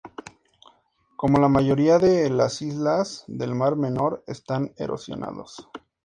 Como la mayoría de las islas del Mar Menor, están erosionados.